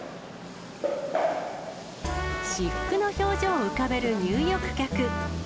至福の表情を浮かべる入浴客。